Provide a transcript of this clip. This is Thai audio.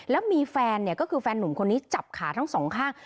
แล้วมีแฟนเนี่ยก็คือแฟนหนุ่มคนนี้จับขาทั้งสองข้าง